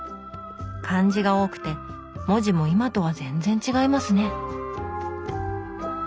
漢字が多くて文字も今とは全然違いますね。